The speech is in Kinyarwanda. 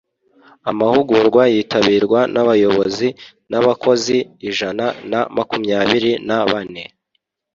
amahugurwa yitabirwa n’abayobozi n’abakozi ijana na makumyabiri na bane